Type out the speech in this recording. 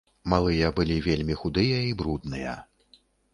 Малыя былі вельмі худыя і брудныя.